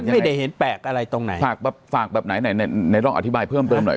ไม่ได้เห็นแปลกอะไรตรงไหนฝากแบบไหนนายต้องอธิบายเพิ่มหน่อย